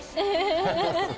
ハハハハ！